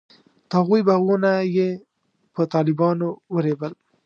د هغوی باغونه یې په طالبانو ورېبل.